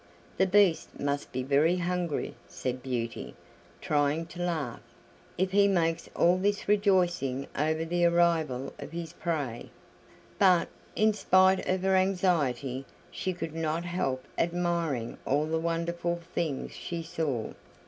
"The Beast must be very hungry," said Beauty, trying to laugh, "if he makes all this rejoicing over the arrival of his prey." But, in spite of her anxiety, she could not help admiring all the wonderful things she saw.